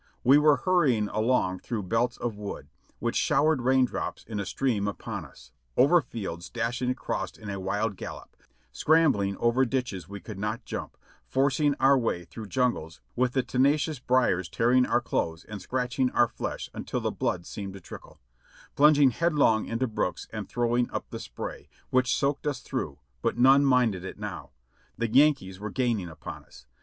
We were hurrying along through belts of wood, which show ered rain drops in a stream upon us; over fields, dashing across in a wild gallop, scrambling over ditches we could not jump, forcing our way through jungles with the tenacious briers tearing our clothes and scratching our flesh until the blood began to trickle; plunging headlong into brooks and throwing up the spray, which soaked us through, but none minded it now. The Yankees were gaining upon us.